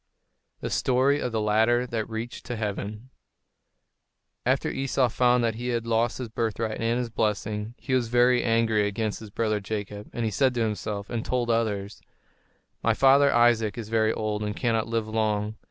THE STORY OF THE LADDER THAT REACHED TO HEAVEN After Esau found that he had lost his birthright and his blessing, he was very angry against his brother Jacob; and he said to himself, and told others: "My father Isaac is very old and cannot live long.